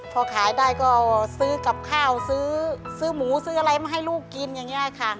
พอขายได้ก็ซื้อกับข้าวซื้อหมูซื้ออะไรมาให้ลูกกินอย่างนี้ค่ะ